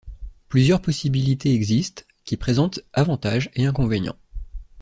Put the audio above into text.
Plusieurs possibilités existent, qui présentent avantages et inconvénients.